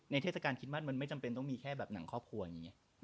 เทศกาลคิดว่ามันไม่จำเป็นต้องมีแค่แบบหนังครอบครัวอย่างนี้